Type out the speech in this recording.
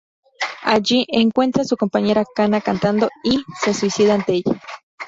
Allí, encuentra a su compañera Kana cantando y, se suicida ante ella.